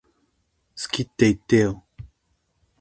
好きって言ってよ